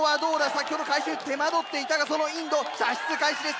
先ほど回収に手間取っていたがそのインド射出開始です。